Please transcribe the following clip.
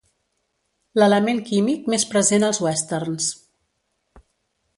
L'element químic més present als Westerns.